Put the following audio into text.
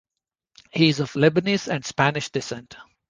He is of Lebanese and Spanish descent.